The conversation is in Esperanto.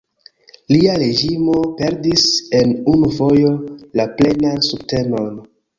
Lia reĝimo perdis en unu fojo la plenan subtenon.